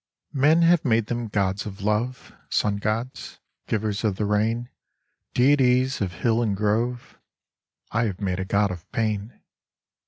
33 MEN have made them gods of love, Sun gods, givers of the rain, Deities of hill and grove : I have made a god of Pain.